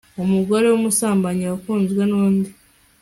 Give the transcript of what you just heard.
umugore w umusambanyi wakunzwe n undi